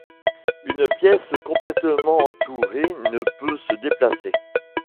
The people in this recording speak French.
Une pièce complètement entourée ne peut se déplacer.